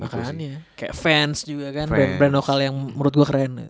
makanannya kayak fans juga kan brand brand lokal yang menurut gue keren